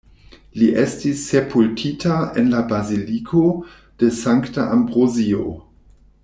Li estis sepultita en la Baziliko de Sankta Ambrozio.